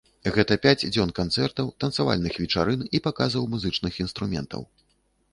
Гэта пяць дзён канцэртаў, танцавальных вечарын і паказаў музычных інструментаў.